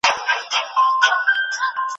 بې منزله مساپره خیر دي نسته په بېړۍ کي